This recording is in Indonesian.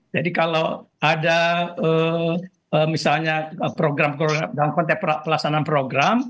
jadi kalau ada misalnya dalam konteks pelaksanaan program